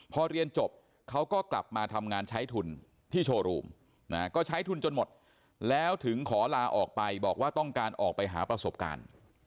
พอเรียนจบเขาก็กลับมาทำงานใช้ทุนที่โชว์รูมก็ใช้ทุนจนหมดแล้วถึงขอลาออกไปบอกว่าต้องการออกไปหาประสบการณ์